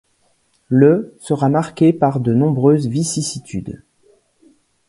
Le sera marqué par de nombreuses vicissitudes.